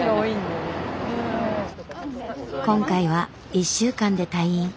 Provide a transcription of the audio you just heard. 今回は１週間で退院。